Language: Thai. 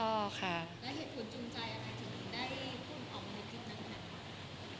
แล้วเหตุผลจูงใจอะไรถึงได้พูดออกมาในคลิปนั้นค่ะ